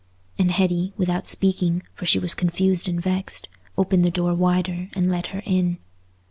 and Hetty, without speaking, for she was confused and vexed, opened the door wider and let her in.